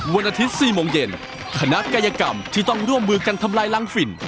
วันอาทิตย์๔โมงเย็นคณะกายกรรมที่ต้องร่วมมือกันทำลายล้างฝิ่น